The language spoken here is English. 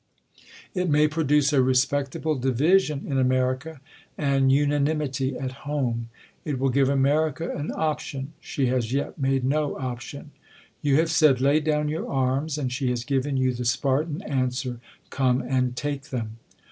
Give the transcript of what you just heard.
It may produce a respectable division in America, and una nimity at home. It will give America an o])tion : she has yet made no option. You have said, Lay down your arms, and she has given you the Spartan auswer, " Come and take them."